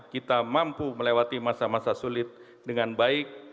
kita mampu melewati masa masa sulit dengan baik